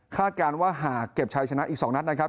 การว่าหากเก็บชัยชนะอีก๒นัดนะครับ